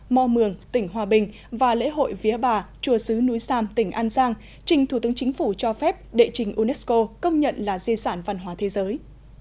mò mường tỉnh hòa bình và lễ hội vía bà chùa sứ núi sam tỉnh an giang trình thủ tướng chính phủ cho phép đệ trình unesco công nhận là di sản văn hóa thế giới